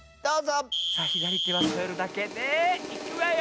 さあひだりてはそえるだけでいくわよ！